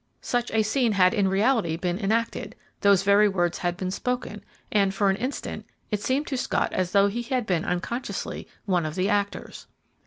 Such a scene bad in reality been enacted, those very words had been spoken, and, for an instant, it seemed to Scott as though he had been, unconsciously, one of the actors.